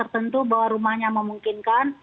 tentu bahwa rumahnya memungkinkan